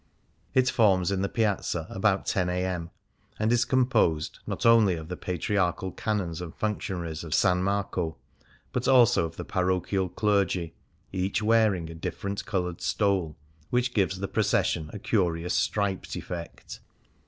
It forms in the Piazza about ten a.m., and is composed not only of the patriarchal canons and functionaries of S. Marco, but also of the parochial clergy, each wearing a different coloured stole, which gives the procession a curious striped effect.